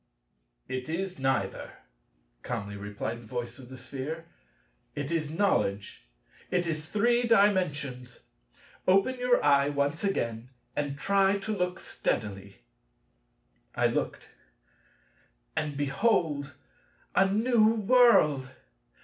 "It is neither," calmly replied the voice of the Sphere, "it is Knowledge; it is Three Dimensions: open your eye once again and try to look steadily." I looked, and, behold, a new world!